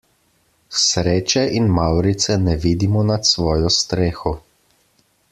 Sreče in mavrice ne vidimo nad svojo streho.